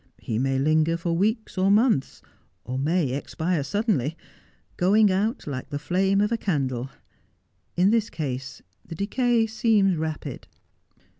He may linger for weeks, or months, or may expire suddenly, going out like the flame of a candle. In this case the decay seems rapid.'